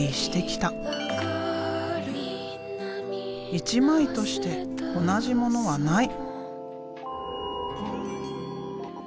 一枚として同じものはない。